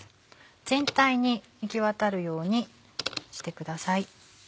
全体にいきわたるようにしてください。